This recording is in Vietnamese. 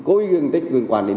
cố ý gương tích liên quan đến